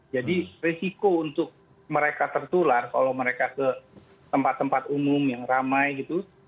jadi risiko untuk mereka tertular kalau mereka ke tempat tempat umum yang ramai gitu